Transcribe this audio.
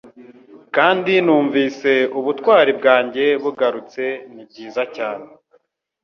kandi numvise ubutwari bwanjye bugarutse nibyiza cyane